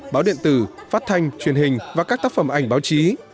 báo điện tử phát thanh truyền hình và các tác phẩm ảnh báo chí